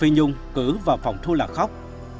phi nhung cứ vào phòng thu lạc khóc